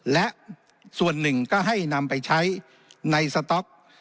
และส่วนหนึ่งก็ให้นำไปใช้ในสต๊อก